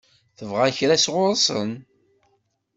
Tebɣa kra sɣur-sen?